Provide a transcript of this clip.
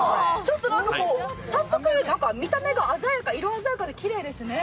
早速、見た目が色鮮やかできれいですね。